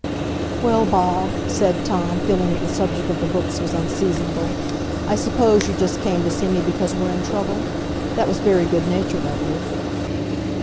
"Well, Bob," said Tom, feeling that the subject of the books was unseasonable, "I suppose you just came to see me because we're in trouble? That was very good natured of you."